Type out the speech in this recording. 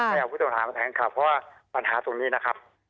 ไม่เอาคุณตัวอาหารมาแสดงข่าวเพราะว่าปัญหาตรงนี้นะครับ